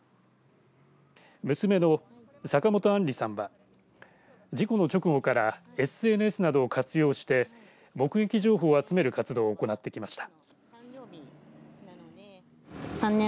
娘の坂本杏梨さんは事故の直後からＳＮＳなどを活用して目撃情報を集める活動を行ってきました。